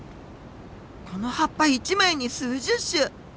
この葉っぱ一枚に数十種！